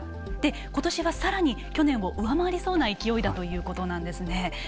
ことしは、さらに去年を上回りそうな勢いだということなんですね。